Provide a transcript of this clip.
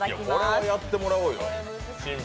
これはやってもらおうよ。